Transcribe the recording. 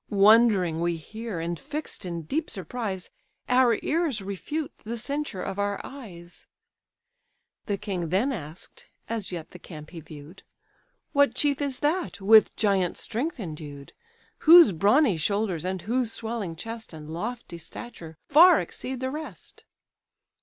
Wondering we hear, and fix'd in deep surprise, Our ears refute the censure of our eyes." The king then ask'd (as yet the camp he view'd) "What chief is that, with giant strength endued, Whose brawny shoulders, and whose swelling chest, And lofty stature, far exceed the rest?